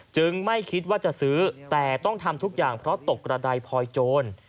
ไม่คิดว่าจะซื้อแต่ต้องทำทุกอย่างเพราะตกกระดายพลอยโจร